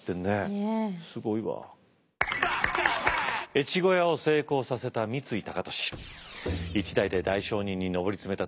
越後屋を成功させた三井高利。